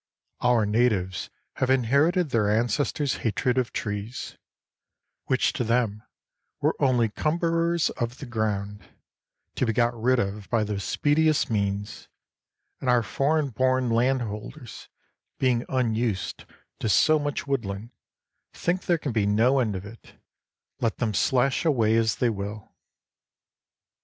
Our natives have inherited their ancestors' hatred of trees, which to them were only cumberers of the ground, to be got rid of by the speediest means; and our foreign born landholders, being unused to so much woodland, think there can be no end to it, let them slash away as they will.